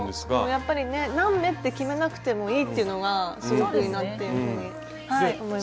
やっぱりね何目って決めなくてもいいっていうのがすごくいいなっていうふうに思いました。